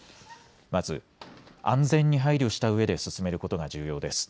まず、安全に配慮したうえで進めることが重要です。